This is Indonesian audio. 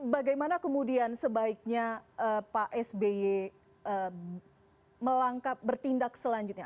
bagaimana kemudian sebaiknya pak sby melangkap bertindak selanjutnya